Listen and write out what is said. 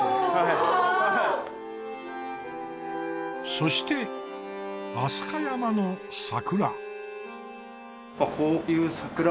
そして飛鳥山の桜。